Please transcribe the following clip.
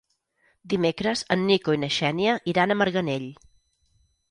Dimecres en Nico i na Xènia iran a Marganell.